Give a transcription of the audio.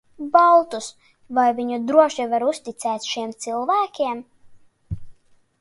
Baltus, vai viņu var droši uzticēt šiem cilvēkiem?